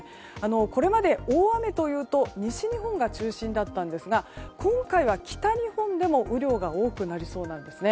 これまで、大雨というと西日本が中心だったんですが今回は、北日本でも雨量が多くなりそうなんですね。